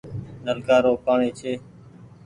نلڪآ رو پآڻيٚ ڇي۔